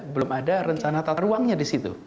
belum ada rencana tata ruangnya di situ